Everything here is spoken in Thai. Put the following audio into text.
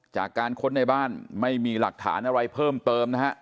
จากการค้นในบ้านไม่มีหลักฐานอะไรเพิ่มเติมนะฮะ